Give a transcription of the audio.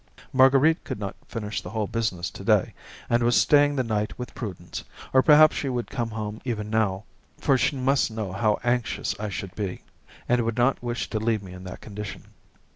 Marguerite could not finish the whole business to day, and was staying the night with Prudence, or perhaps she would come even now, for she must know how anxious I should be, and would not wish to leave me in that condition.